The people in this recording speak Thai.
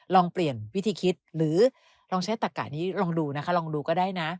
ลองเปลี่ยนวิธีคิดหรือลองใช้ตักกะนี้ลองดูนะคะลองดูก็ได้นะ